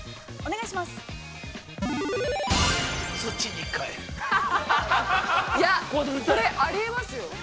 ◆いや、これはあり得ますよ。